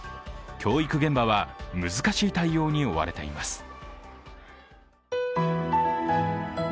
教育現場は難しい対応に追われています。